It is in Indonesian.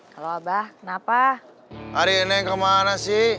halo abah kenapa